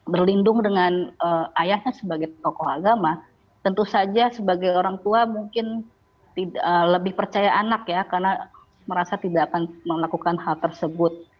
berlindung dengan ayahnya sebagai tokoh agama tentu saja sebagai orang tua mungkin lebih percaya anak ya karena merasa tidak akan melakukan hal tersebut